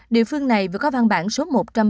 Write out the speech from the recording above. địa phương này vừa có văn bản số một trăm năm mươi